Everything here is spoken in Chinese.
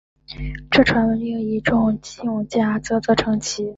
这个传闻令一众用家啧啧称奇！